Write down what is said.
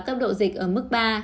cấp độ dịch ở mức ba